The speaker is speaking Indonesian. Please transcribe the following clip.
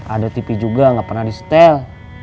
ada tv juga nggak pernah di setel